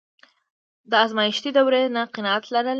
د ازمایښتي دورې نه قناعت لرل.